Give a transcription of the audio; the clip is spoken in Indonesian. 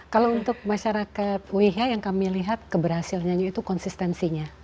kalau untuk masyarakat wehia yang kami lihat keberhasilannya itu konsistensinya